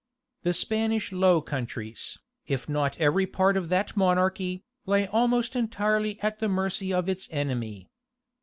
The Spanish Low Countries, if not every part of that monarchy, lay almost entirely at the mercy of its enemy.